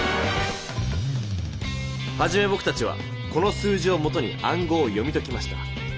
はじめぼくたちはこの数字をもとにあんごうを読みときました。